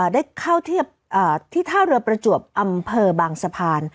ได้เข้าเทียบที่ท่าเรือประจวบอำเภอบางสะพาน